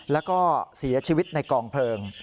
แล้วก็เสียชีวิตในกองเพลิง